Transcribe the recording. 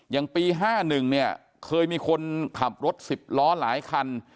อย่างปี๕๑เนี่ยเคยมีคนขับรถ๑๐ล้อหลายคัน